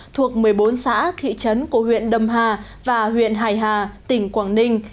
thuộc một mươi bốn xã thị trấn của huyện đầm hà và huyện hải hà tỉnh quảng ninh